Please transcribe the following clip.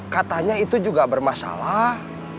katanya itu juga bermasalah